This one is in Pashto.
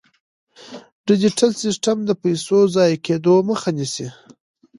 ډیجیټل سیستم د پيسو د ضایع کیدو مخه نیسي.